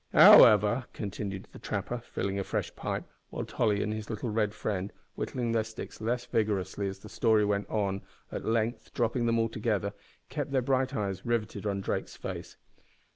"However," continued the trapper, filling a fresh pipe, while Tolly and his little red friend, whittling their sticks less vigorously as the story went on and at length dropping them altogether, kept their bright eyes riveted on Drake's face.